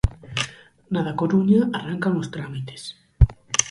Na da Coruña, arrancan os trámites.